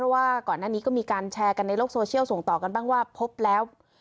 ว่าก่อนหน้านี้ก็มีการแชร์กันในโลกโซเชียลส่งต่อกันบ้างว่าพบแล้ว